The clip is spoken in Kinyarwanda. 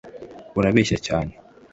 urabeshya cyane